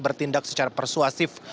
bertindak secara persuasif